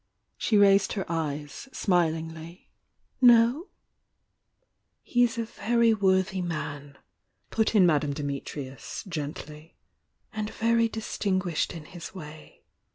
..., She raised her eyes, smilingly. ■'He'sa very worthy man," put in Madame Dim itrius, gently. "And very distinguished in his way.